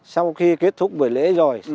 sau khi kết thúc buổi lễ rồi